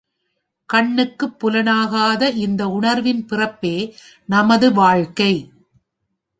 கண்ணுக்குப் புலனாகாத இந்த உணர்வின் பிறப்பே நமது வாழ்க்கை.